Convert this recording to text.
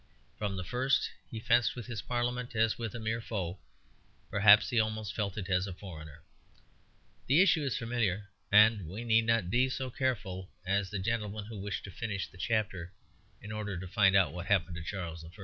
From the first he fenced with his Parliament as with a mere foe; perhaps he almost felt it as a foreigner. The issue is familiar, and we need not be so careful as the gentleman who wished to finish the chapter in order to find out what happened to Charles I.